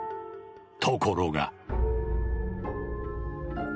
ところが。